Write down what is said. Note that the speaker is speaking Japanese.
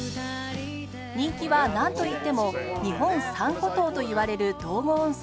人気はなんといっても日本三古湯といわれる道後温泉